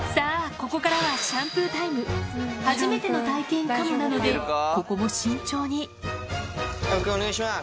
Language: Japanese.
ここからは初めての体験かもなのでここも慎重にＯＫお願いします。